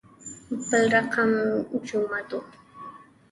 بل رقم جمعه دو.